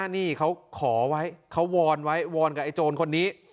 นี่เขาขอไว้เขาวอนไว้วอนกับไอ้โจรคนนี้